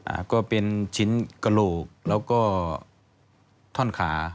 อ่าก็เป็นชิ้นกระโหลกแล้วก็ท่อนขา